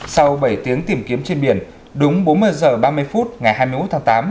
sau bảy tiếng tìm kiếm trên biển đúng bốn mươi h ba mươi phút ngày hai mươi một tháng tám